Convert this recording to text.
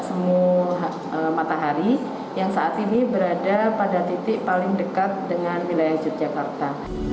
semu matahari yang saat ini berada pada titik paling dekat dengan wilayah yogyakarta